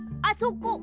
あそこ！